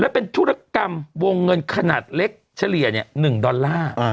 เป็นธุรกรรมวงเงินขนาดเล็กเฉลี่ย๑ดอลลาร์